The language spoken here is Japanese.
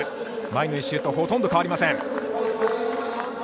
前の１周とほとんど変わりません。